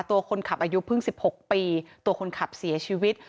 ตัวคนขับอายุเพิ่ง๑๖ปีตัวคนขับเสียชีวิต